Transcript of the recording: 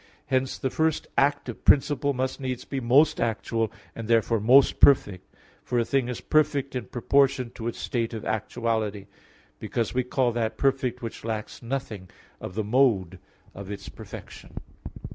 Hence, the first active principle must needs be most actual, and therefore most perfect; for a thing is perfect in proportion to its state of actuality, because we call that perfect which lacks nothing of the mode of its perfection.